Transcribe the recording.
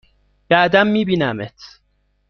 بعدا می بینمت!